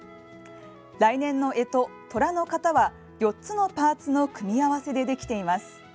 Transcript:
来年のえと、とらの型は４つのパーツの組み合わせでできています。